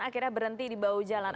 akhirnya berhenti di bawah jalan